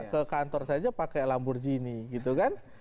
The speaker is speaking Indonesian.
ke kantor saja pakai lamborghini gitu kan